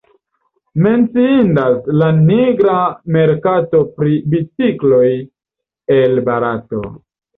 Menciindas la nigra merkato pri bicikloj el Barato.